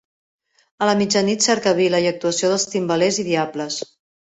A la mitjanit cercavila i actuació dels timbalers i diables.